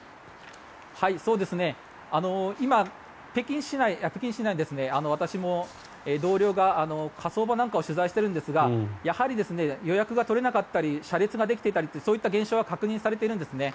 今、北京市内私も同僚が火葬場なんかを取材しているんですがやはり、予約が取れなかったり車列ができていたりそういった現象が確認されているんですね。